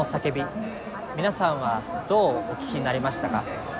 皆さんはどうお聞きになりましたか？